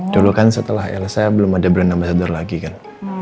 dulu kan setelah elsa belum ada brand ambasador lagi kan